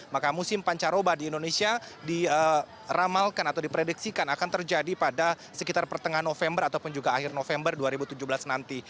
maka musim pancaroba di indonesia diramalkan atau diprediksikan akan terjadi pada sekitar pertengahan november ataupun juga akhir november dua ribu tujuh belas nanti